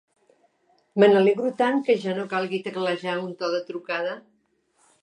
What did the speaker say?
Me n'alegro tant que ja no calgui teclejar un to de trucada!